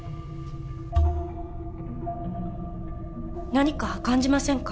何か感じませんか？